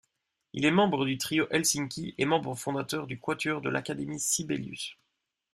Il est membre du Trio Helsinki et membre fondateur du Quatuor de l'Académie Sibelius.